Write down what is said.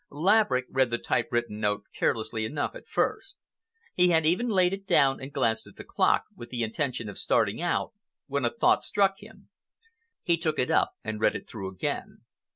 Laverick read the typewritten note carelessly enough at first. He had even laid it down and glanced at the clock, with the intention of starting out, when a thought struck him. He took it up and read it though again.